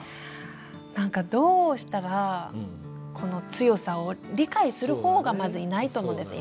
何かどうしたらこの強さを理解する方がまずいないと思うんです今。